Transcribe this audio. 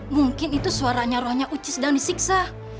mungkin itu suaranya rohnya ucis dan disiksa